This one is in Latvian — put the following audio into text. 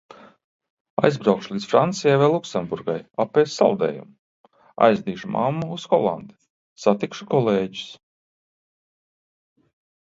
Aizbraukšu līdz Francijai vai Luksemburgai apēst saldējumu. Aizvedīšu mammu uz Holandi. Satikšu kolēģus.